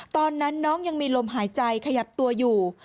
ตอนนั้นน้องยังมีลมหายใจขยับตัวอยู่